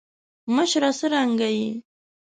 مشره څرنګه یی.